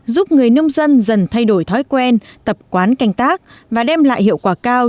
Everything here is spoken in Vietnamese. giúp người nông dân dần thay đổi thói quen tập quán canh tác và đem lại hiệu quả cao